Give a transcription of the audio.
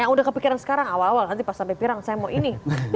yang udah kepikiran sekarang awal awal nanti pas sampai pirang saya mau ini